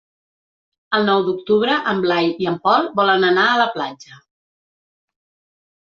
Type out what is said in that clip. El nou d'octubre en Blai i en Pol volen anar a la platja.